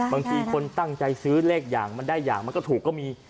บางคนตั้งใจซื้อเลขใหญ่มาได้อย่างมันก็ถูกก็มี